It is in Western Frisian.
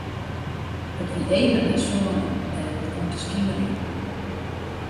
It wie even nei sânen en it begûn te skimerjen.